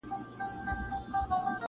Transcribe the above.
• په سل گونو ستا په شان هلته نور خره دي -